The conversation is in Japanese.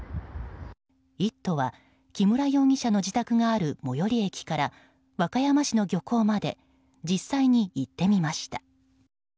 「イット！」は木村容疑者の自宅がある最寄駅から和歌山市の漁港まで実際に行ってみました。